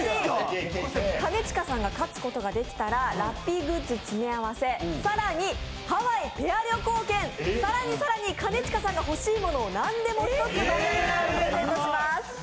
兼近さんが勝つことができたらラッピーグッズ詰め合わせ更にハワイペア旅行券、更に更に兼近さんが欲しいものをなんでも１つプレゼントします。